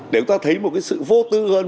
để chúng ta thấy một sự vô tư hơn